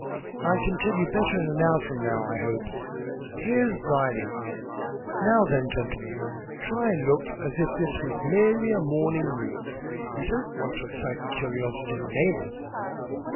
"I can tell you better in an hour from now, I hope. Here's Brierly. Now then, gentlemen, try and look as if this was merely a morning walk. We don't want to excite the curiosity of the neighbours."